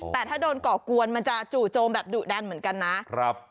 แต่ถ้าโดนก่อกวนมันจะจู่โจมแบบดุดันเหมือนกันนะครับ